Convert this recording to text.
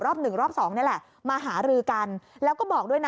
หนึ่งรอบสองนี่แหละมาหารือกันแล้วก็บอกด้วยนะ